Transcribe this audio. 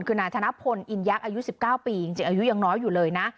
คือนายธนพลอินยักษ์อายุ๑๙ปีจริงอายุยังน้อยอยู่เลยนะ